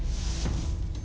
gimana pada perempuan